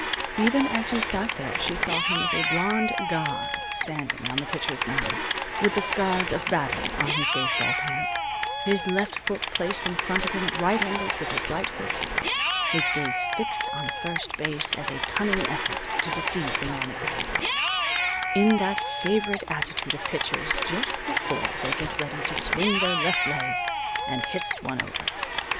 Even as he sat there she saw him as a blonde god standing on the pitcher's mound, with the scars of battle on his baseball pants, his left foot placed in front of him at right angles with his right foot, his gaze fixed on first base in a cunning effort to deceive the man at bat, in that favorite attitude of pitchers just before they get ready to swing their left leg and h'ist one over.